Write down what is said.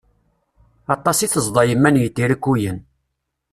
Aṭas i tezḍa yemma n yitrikuyen.